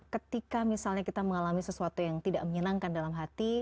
ketika misalnya kita mengalami sesuatu yang tidak menyenangkan dalam hati